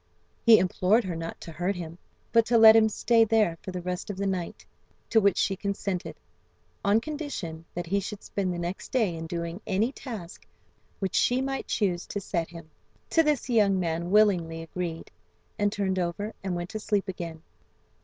He implored her not to hurt him, but to let him stay there for the rest of the night, to which she consented, on condition that he should spend the next day in doing any task which she might choose to set him. To this the young man willingly agreed, and turned over and went to sleep again.